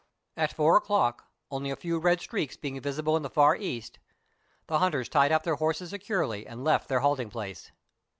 At four o'clock, only a few red streaks being visible in the far east, the hunters tied up their horses securely and left their halting place.